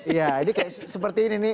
iya ini kayak seperti ini nih